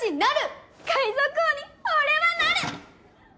海賊王に俺はなる！